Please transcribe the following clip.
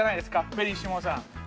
ベリッシモさん。